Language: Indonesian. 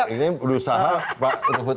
ini berusaha pak ruhut